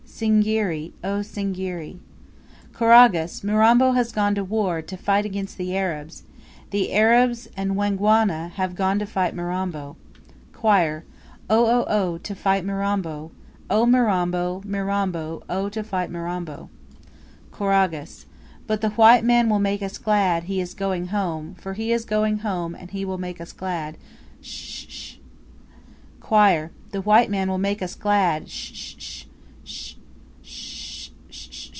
Singiri! oh, Singiri Choragus. Mirambo has gone to war To fight against the Arabs; The Arabs and Wangwana Have gone to fight Mirambo! Choir Oh oh oh! to fight Mirambo! Oh, Mirambo! Mirambo Oh, to fight Mirambo! Choragus. But the white man will make us glad, He is going home! For he is going home, And he will make us glad! Sh sh sh! Choir. The white man will make us glad!